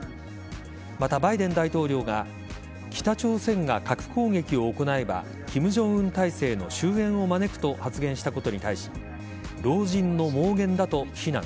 また、バイデン大統領が北朝鮮が核攻撃を行えば金正恩体制の終えんを招くと発言したことに対し老人の妄言だと非難。